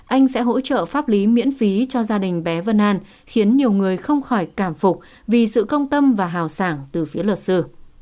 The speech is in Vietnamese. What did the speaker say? anh sẽ hỗ trợ pháp lý miễn phí cho gia đình bé vân an khiến nhiều người không khỏi cảm phục vì sự công tâm và hào sảng từ phía luật sư